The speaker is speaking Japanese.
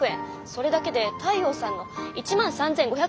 それだけで太陽さんの１万３，５４０円の赤字です。